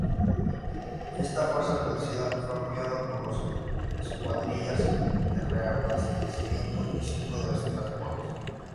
Esta fuerza reducida fue apoyada por dos escuadrillas de reabastecimiento y cinco de transporte.